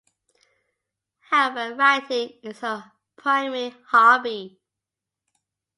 However writing is her primary hobby.